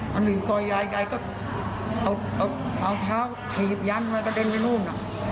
หนึ่งซอยยายยายก็เอาเท้าถีบยันมันกระเด็นไปนู่น